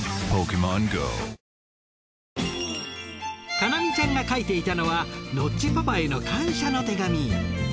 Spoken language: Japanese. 叶望ちゃんが書いていたのはノッチパパへの感謝の手紙。